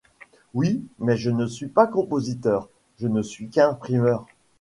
Oui, mais je ne suis pas compositeur, je ne suis qu’imprimeur.